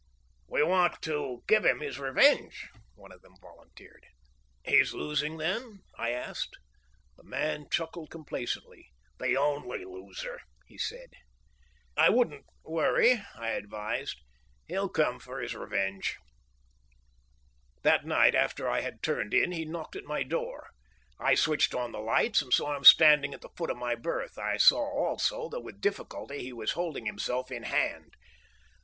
"We want to give him his revenge," one of them volunteered. "He's losing, then?" I asked. The man chuckled complacently. "The only loser," he said. "I wouldn't worry," I advised. "He'll come for his revenge." That night after I had turned in he knocked at my door. I switched on the lights and saw him standing at the foot of my berth. I saw also that with difficulty he was holding himself in hand.